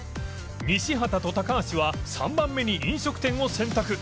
西畑と高橋は３番目に飲食店を選択